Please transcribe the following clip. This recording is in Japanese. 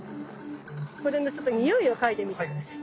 これのちょっとにおいを嗅いでみて下さい。